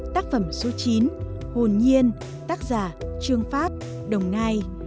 tác phẩm số chín hồn nhiên tác giả trương pháp đồng nai